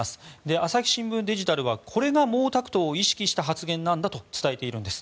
朝日新聞デジタルはこれが毛沢東を意識した発言なんだと伝えています。